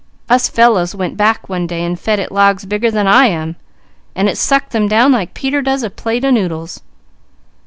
Us fellows went back one day and fed it logs bigger than I am, and it sucked them down like Peter does a plate of noodles.